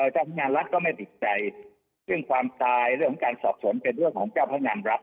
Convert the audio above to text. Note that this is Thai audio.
เจ้าพนักงานรัฐก็ไม่ติดใจซึ่งความตายเรื่องของการสอบสวนเป็นเรื่องของเจ้าพนักงานรัฐ